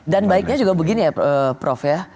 dan baiknya juga begini ya prof ya